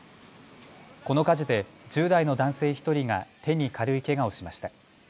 この火事で１０代の男性１人が手に軽いけがをしました。